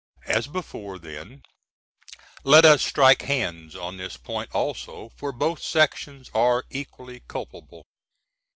As before, then, let us "strike hands" on this point also, for both sections are equally culpable.